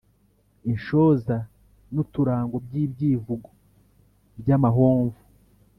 Inshoza n’uturango by’ibyivugo by’amahomvu .